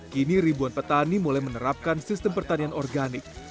kini ribuan petani mulai menerapkan sistem pertanian organik